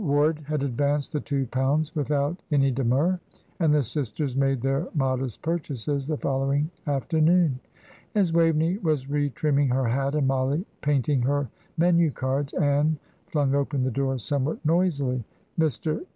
Ward had advanced the two pounds without any demur, and the sisters made their modest purchases the following afternoon. As Waveney was re trimming her hat, and Mollie painting her menu cards, Ann flung open the door somewhat noisily. "Mr.